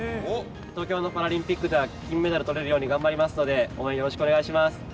東京のパラリンピックでは金メダルとれるように頑張りますので、応援よろしくお願いします。